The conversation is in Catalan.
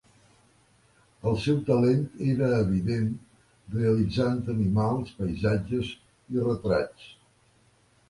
El seu talent era evident realitzant animals, paisatges i retrats.